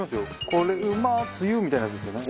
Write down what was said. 「これ！うま！！つゆ」みたいなやつですよね。